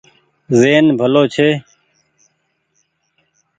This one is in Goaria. زهين ڀلو ڇي۔